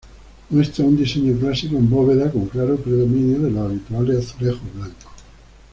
Muestra un diseño clásico, en bóveda, con claro predominio de los habituales azulejos blancos.